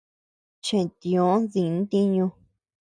Cheʼtiö di ntiñu.